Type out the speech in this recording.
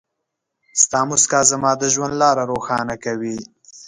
ستا مسکا زما د ژوند لاره روښانه کوي.